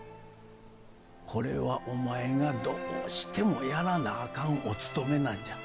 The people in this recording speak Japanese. これはお前がどうしてもやらなあかんおつとめなんじゃ。